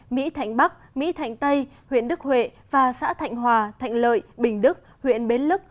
mỹ thạnh bắc mỹ thạnh tây huyện đức huệ và xã thạnh hòa thạnh lợi bình đức huyện bến lức